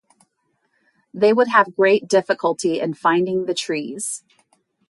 They would have great difficulty in finding the trees.